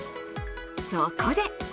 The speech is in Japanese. そこで！